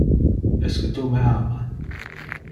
Esque tu me ama?